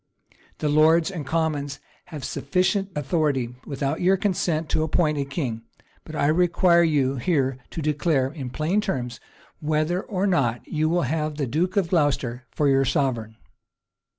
The lords and commons have sufficient authority, without your consent, to appoint a king: but I require you here to declare, in plain terms, whether or not you will have the duke of Glocester for your sovereign."